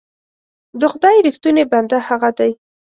د خدای رښتونی بنده هغه دی.